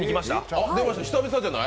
久々じゃない？